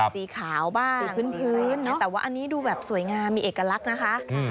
สีขาวบ้างสีพื้นแต่ว่าอันนี้ดูแบบสวยงามมีเอกลักษณ์นะคะ